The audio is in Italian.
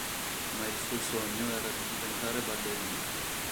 Ma il suo sogno era di diventare ballerina.